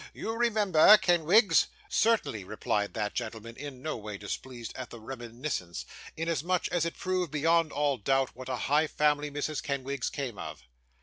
You remember, Kenwigs?' 'Certainly,' replied that gentleman, in no way displeased at the reminiscence, inasmuch as it proved, beyond all doubt, what a high family Mrs. Kenwigs came of.